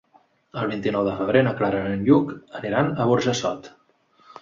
El vint-i-nou de febrer na Clara i en Lluc aniran a Burjassot.